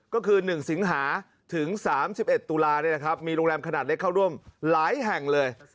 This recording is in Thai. ก็คือ๑สิงหาถึง๓๑ตุลามีโรงแรมขนาดเล็กเข้าร่วมหลายแห่งเลย